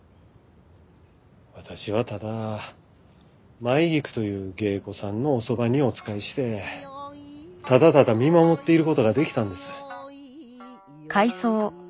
私はただ舞菊という芸妓さんのおそばにお仕えしてただただ見守っている事ができたんです。